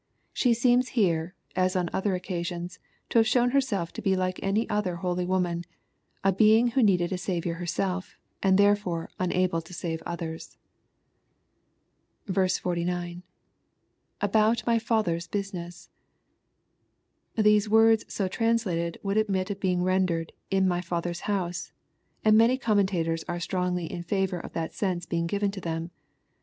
Shti seems here, as on other occasions, to have shown herself to be like other holy women, — ^a being who needed a Saviour herself, and therefore unable to save others. 49. — [Ahovi my Fatker*8 JmstTiess.'] These words so translated would admit of being rendered "in my Father's house," and many commentators are strongly in favor of that sense being given to them.